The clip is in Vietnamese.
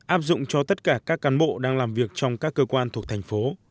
áp dụng cho tất cả các cán bộ đang làm việc trong các cơ quan thuộc tp